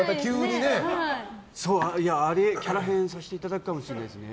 キャラ変させていただくかもしれないですね。